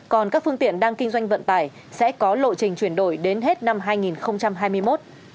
còn các phương tiện đang kinh doanh vận tải sẽ có lộ trình chuyển đổi đến hết năm hai nghìn hai mươi một